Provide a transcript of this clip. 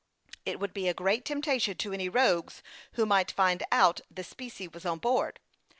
It would be a great temptation to any rogues, who might find out the specie was on board.